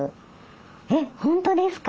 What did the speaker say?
えっ本当ですか！